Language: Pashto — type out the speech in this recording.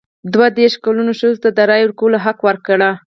دوه دیرش کلنو ښځو ته د رایې ورکولو حق ورکړ.